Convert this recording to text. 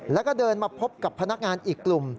แล้วก็เดินมาพบกับพนักงานอีกกลุ่ม